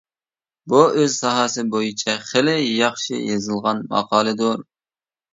بۇ ئۆز ساھەسى بويىچە خېلى ياخشى يېزىلغان ماقالىدۇر.